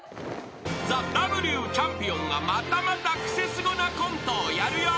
［ＴＨＥＷチャンピオンがまたまたクセスゴなコントをやるよ］